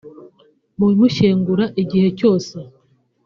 Mu bimushengura igihe cyose